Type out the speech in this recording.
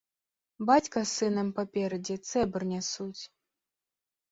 Бацька з сынам паперадзе цэбар нясуць.